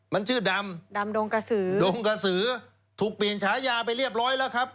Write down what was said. มันชื่อดำดำดงกระสือดงกระสือถูกเปลี่ยนฉายาไปเรียบร้อยแล้วครับ